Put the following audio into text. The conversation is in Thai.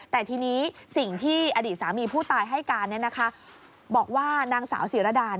แต่ทีนี้สิ่งที่อดีตสามีผู้ตายให้การบอกว่านางสาวศิรดา